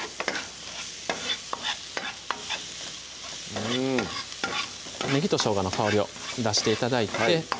うんねぎとしょうがの香りを出して頂いて